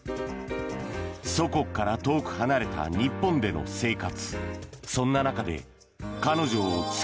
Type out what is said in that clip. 祖国から遠く離れた日本での生活。